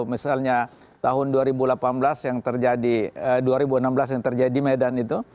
misalnya tahun dua ribu delapan belas yang terjadi dua ribu enam belas yang terjadi di medan itu